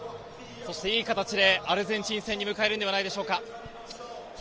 いい形でアルゼンチン戦に向かえるんじゃないでしょうか？